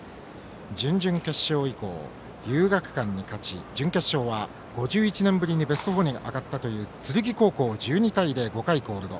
準々決勝以降、遊学館に勝ち準決勝は５１年ぶりにベスト４に上がったという鶴来高校を１２対０、５回コールド。